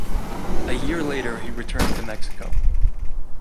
A year later he returned to Mexico.